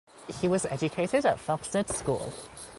He was educated at Felsted School.